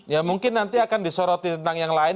ya mungkin nanti akan disoroti tentang yang lain